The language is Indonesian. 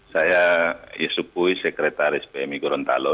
saya yusuf puhi sekretaris pmi gorontalo